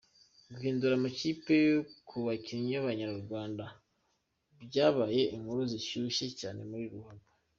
Guhindura amakipe ku bakinnyi b’Abanyarwanda, byabaye inkuru zashyushye cyane muri ruhago.